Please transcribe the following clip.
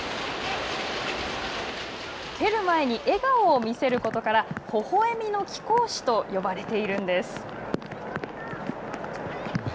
蹴る前に笑顔を見せることから「微笑みの貴公子」と呼ばれているんです。